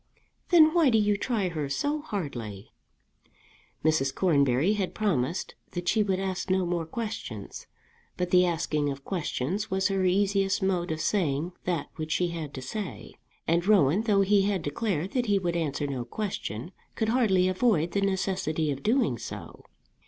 "Then why do you try her so hardly?" Mrs. Cornbury had promised that she would ask no more questions; but the asking of questions was her easiest mode of saying that which she had to say. And Rowan, though he had declared that he would answer no question, could hardly avoid the necessity of doing so.